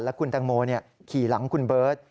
คุณแตงโมขี่หลังคุณเบิร์ต